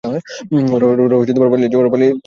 ওরা পালিয়ে যাচ্ছে!